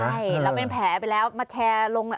ใช่แล้วเป็นแผลไปแล้วมาแชร์ลง